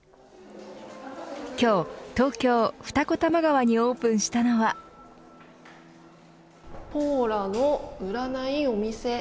今日、東京・二子玉川にオープンしたのはＰＯＬＡのうらないお店。